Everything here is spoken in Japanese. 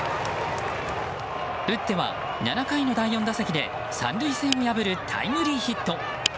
打っては７回の第４打席で３塁線を破るタイムリーヒット。